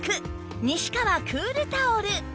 西川クールタオル